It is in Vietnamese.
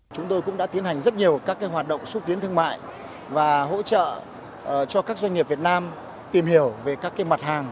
chúng tôi cũng đã tiến hành rất nhiều các hoạt động xúc tiến thương mại và hỗ trợ cho các doanh nghiệp việt nam tìm hiểu về các mặt hàng